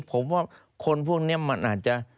ผมว่าคนพวกนี้มันอาจจะ